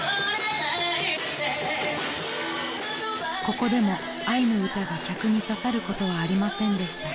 ［ここでもあいの歌が客に刺さることはありませんでした］